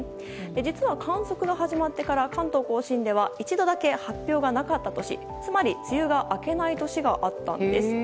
実は、観測が始まってから関東・甲信では一度だけ発表がなかった年つまり、梅雨が明けない年があったんです。